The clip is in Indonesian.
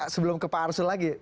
sebelum ke pak arsul lagi